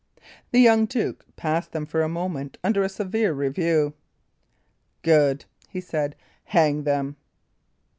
The young duke passed them for a moment under a severe review. "Good," he said. "Hang them."